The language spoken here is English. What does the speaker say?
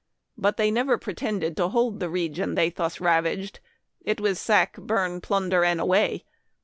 But they never pre tended to hold the region thus ravaged ; it was sack, burn, plunder, and away